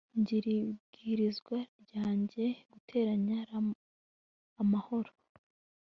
ngir'ibwirizwa ryanjye, +r, amahoro